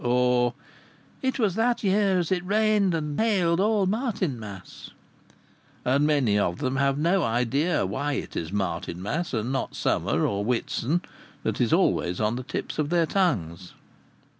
Or, "It was that year as it rained and hailed all Martinmas." And many of them have no idea why it is Martinmas, and not Midsummer or Whitsun, that is always on the tips of their tongues.